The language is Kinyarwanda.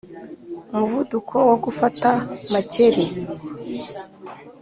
umuvuduko wo gufata makeri